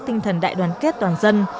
tinh thần đại đoàn kết toàn dân